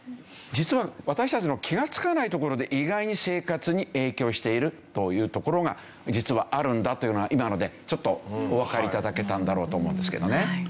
実は私たちの気がつかないところで意外に生活に影響しているというところが実はあるんだというのが今のでちょっとおわかり頂けただろうと思うんですけどね。